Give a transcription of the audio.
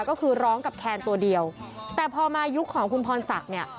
ก็คือร้องกับแคนตัวเดียวแต่พอมายุคของคุณพรศักดิ์เนี่ย